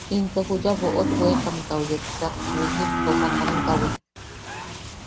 Into juya boʼot wekamtau yepsak wiikit toosakamtawi.